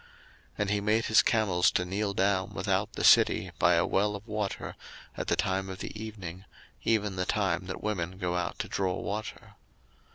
01:024:011 And he made his camels to kneel down without the city by a well of water at the time of the evening, even the time that women go out to draw water.